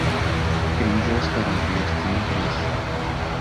Kryžiaus parapijos centras.